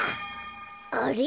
あれ？